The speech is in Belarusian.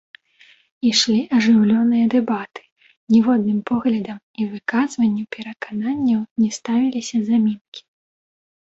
Ішлі ажыўленыя дэбаты, ніводным поглядам і выказванню перакананняў не ставіліся замінкі.